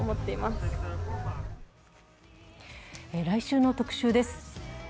来週の特集です。